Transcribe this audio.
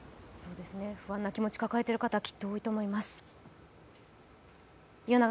不安な気持ち抱えている方きっと多いと思います。